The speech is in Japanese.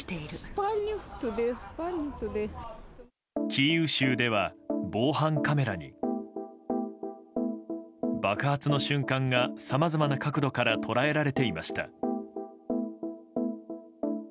キーウ州では防犯カメラに爆発の瞬間がさまざまな角度から捉えられていました。